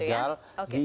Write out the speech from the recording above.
diberikan gitu ya